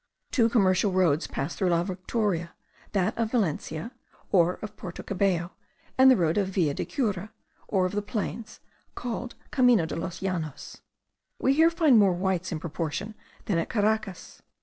Two commercial roads pass through La Victoria, that of Valencia, or of Porto Cabello, and the road of Villa de Cura, or of the plains, called camino de los Llanos. We here find more whites in proportion than at Caracas.